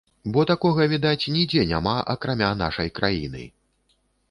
Бо такога, відаць, нідзе няма акрамя нашай краіны.